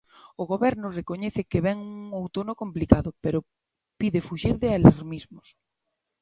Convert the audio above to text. O Goberno recoñece que vén un outono complicado, pero pide fuxir de alarmismos.